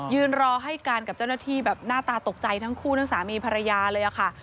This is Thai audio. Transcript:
รอให้การกับเจ้าหน้าที่แบบหน้าตาตกใจทั้งคู่ทั้งสามีภรรยาเลยค่ะ